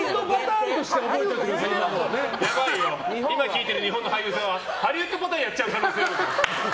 やばいよ今聞いてる日本の俳優さんはハリウッドパターンやっちゃう可能性ある。